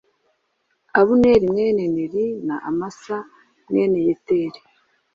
Abuneri mwene Neri na Amasa mwene Yeteri